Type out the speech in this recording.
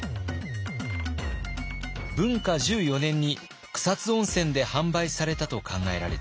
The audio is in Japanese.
文化１４年に草津温泉で販売されたと考えられています。